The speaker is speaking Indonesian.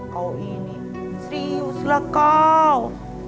kau ini serius lah kau